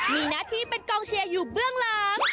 มีหน้าที่เป็นกองเชียร์อยู่เบื้องหลัง